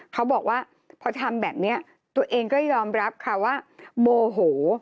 เขาบอกว่าพอทำแบบนี้ตัวเองก็ยอมรับค่ะว่าโมโห